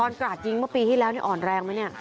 ตอนกราชยิงเมื่อปีที่แล้วนี่อ่อนแรงมั้ยครับ